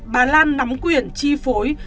bà lan nắm quyền chi phối